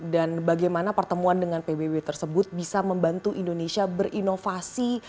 dan bagaimana pertemuan dengan pbb tersebut bisa membantu indonesia berinovasi